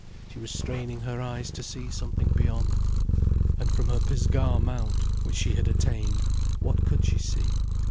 She was straining her eyes to something beyond. And from her Pisgah mount, which she had attained, what could she see?